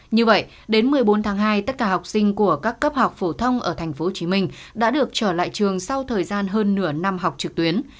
như vậy đến một mươi bốn tháng hai tất cả học sinh của các cấp học phổ thông ở tp hcm đã được trở lại trường sau thời gian hơn nửa năm học trực tuyến